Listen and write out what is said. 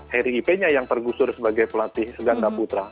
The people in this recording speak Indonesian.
harry ipenya yang tergusur sebagai pelatih seganda putra